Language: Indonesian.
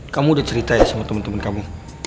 kamu udah cerita ya sama temen temen kamu